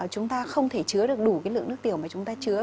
chúng ta không thể chứa được đủ lượng nước tiểu mà chúng ta chứa